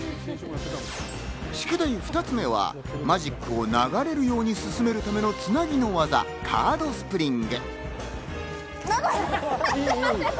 宿題２つ目は、マジックを流れるように進めるためのつなぎの技・カードスプリング。